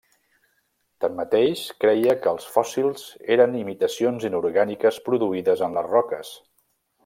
Tanmateix creia que els fòssils eren imitacions inorgàniques produïdes en les roques.